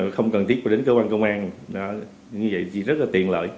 không cần thiết có đến cơ quan công an như vậy thì rất tiện lợi